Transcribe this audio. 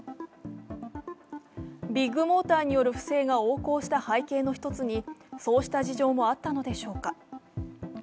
ビッグモーターによる不正が横行した背景にそうした事情もあったのでしょうか。